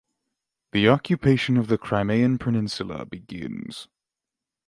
The occupation of the Crimean peninsula begins.